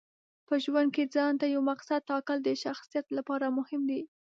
په ژوند کې ځانته یو مقصد ټاکل د شخصیت لپاره مهم دي.